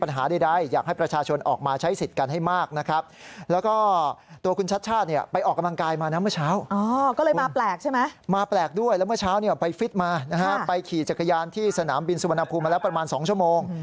ที่สนามบินสุวรรณภูมิมาแล้วประมาณ๒ชั่วโมง